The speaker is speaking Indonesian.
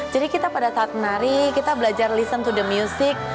jadi kita pada saat menari kita belajar mendengar musik